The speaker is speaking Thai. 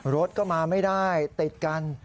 รถก็มาไม่ได้ติดกัน